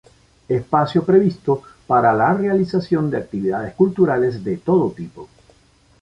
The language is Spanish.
Espacio previsto para la realización de actividades culturales de todo tipo.